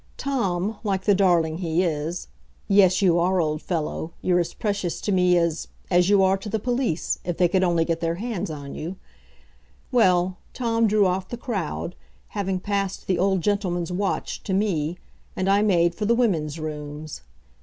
Tom, like the darling he is (Yes, you are, old fellow, you're as precious to me as as you are to the police if they could only get their hands on you) well, Tom drew off the crowd, having passed the old gentleman's watch to me, and I made for the women's rooms.